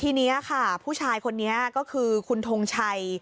ทีนี้ค่ะผู้ชายคนนี้ก็คือคุณทงชัย